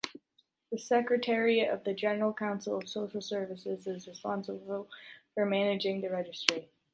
The secretariat of the General Council of Social Services is responsible for managing the registry.